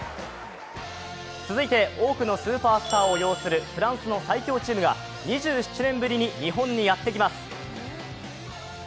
続いて、多くのスーパースターを擁するフランスの最強チームが２７年ぶりに日本にやってきます。